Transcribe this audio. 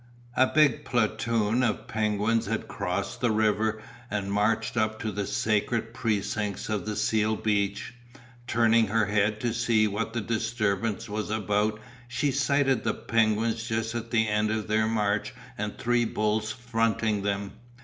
A big platoon of penguins had crossed the river and marched up to the sacred precincts of the seal beach. Turning her head to see what the disturbance was about she sighted the penguins just at the end of their march and three bulls fronting them.